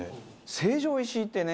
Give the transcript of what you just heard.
成城石井ってね